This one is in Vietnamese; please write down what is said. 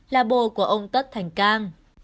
là bồ của ông tất thành cang